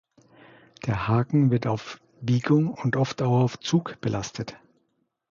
Der Haken wird auf Biegung und oft auch auf Zug belastet.